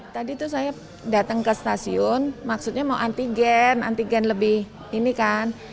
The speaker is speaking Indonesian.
tadi tuh saya datang ke stasiun maksudnya mau antigen antigen lebih ini kan